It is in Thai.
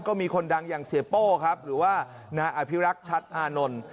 ก็มีคนดังอย่างเสียโป้ครับหรือว่านายอภิรักษ์ชัดอานนท์